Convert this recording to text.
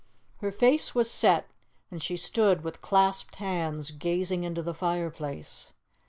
Her face was set, and she stood with clasped hands gazing into the fireplace.